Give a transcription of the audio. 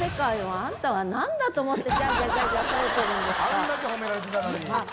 あんだけ褒められてたのに。